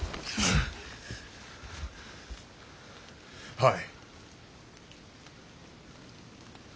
はい。